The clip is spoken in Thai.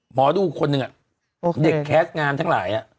หมอดูคนหนึ่งเด็กแคสต์งานทั้งหลาย